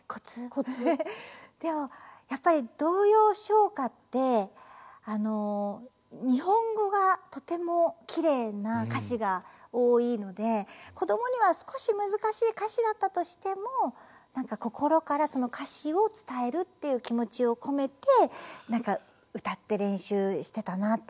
でもやっぱり童謡・唱歌ってあの日本語がとてもきれいな歌詞が多いのでこどもには少し難しい歌詞だったとしても心からその歌詞を伝えるっていう気持ちを込めて歌って練習してたなっていう。